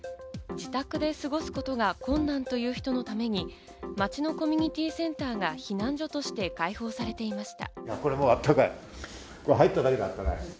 自宅で過ごすことが困難という人のために町のコミュニティセンターが避難所として開放されていました。